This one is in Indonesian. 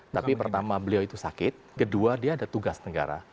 tapi pertama beliau itu sakit kedua dia ada tugas negara